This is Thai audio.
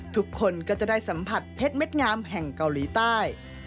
ทุกคนก็จะได้สัมผัสเพชรเม็ดงามแห่งเกาหลีใต้